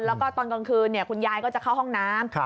แล้วก็ตอนกลางคืนคุณยายก็จะเข้าห้องน้ำ